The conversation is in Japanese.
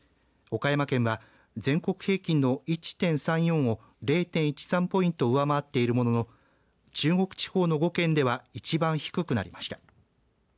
岡山県は全国平均の１．３４を０．１３ポイント上回っているものの中国地方の５県では一番低くなりました。